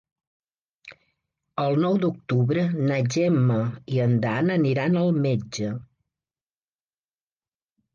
El nou d'octubre na Gemma i en Dan aniran al metge.